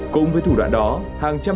cùng với thủ đoạn đó